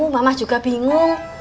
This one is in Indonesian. mama juga bingung